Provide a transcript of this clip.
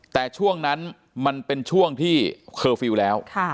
แต่ช่วงนั้นมันเป็นช่วงที่เคอร์ฟิลล์แล้ว